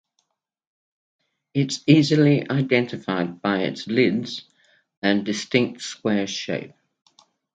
It is easily identified by its "lids" and distinct square shape.